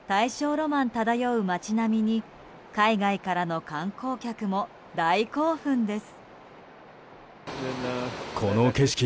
ロマン漂う街並みに海外からの観光客も大興奮です。